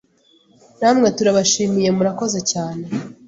Namwe turabashimiye murakoze cyane.